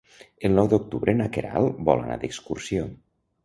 El nou d'octubre na Queralt vol anar d'excursió.